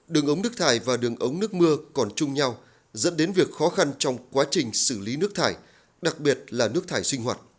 đường ống nước thải và đường ống nước mưa còn chung nhau dẫn đến việc khó khăn trong quá trình xử lý nước thải đặc biệt là nước thải sinh hoạt